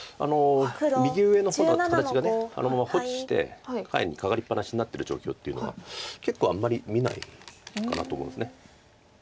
右上の方の形があのまま放置して下辺にカカりっぱなしになってる状況っていうのは結構あんまり見ないかなと思うんです。